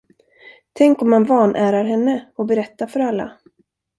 Tänk om han vanärar henne och berättar för alla?